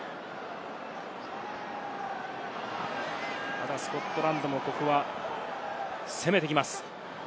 ただスコットランドも、ここは攻めてきます。